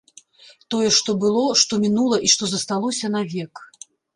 Тое, што было, што мінула і што засталося навек.